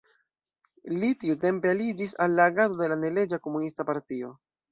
Li tiutempe aliĝis al la agado de la neleĝa komunista partio.